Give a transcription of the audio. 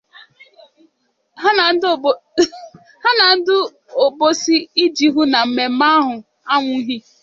ha na ndị Obosi iji hụ na mmemme ahụ anwụghị